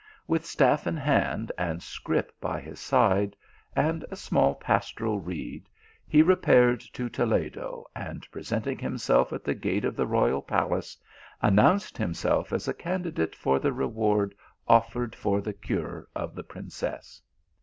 With staff in hand and scrip by his side, and a small pastoral reed, he repaired to Toledo, and presenting himself at the gate of the royal palace, announced himself as a candidate for the reward offered for the cure of the princess.